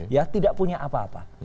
ya tidak punya apa apa